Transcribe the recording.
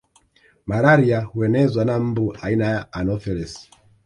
Malaria huenezwa na mbu aina ya Anofelesi